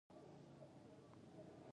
جوار پاکي کې سړی له گوتو خلاصوي.